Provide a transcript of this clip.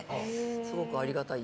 すごくありがたい。